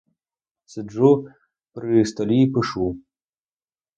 Сиджу при столі і пишу.